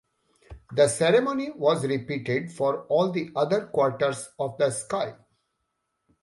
The ceremony was repeated for all the other quarters of the sky.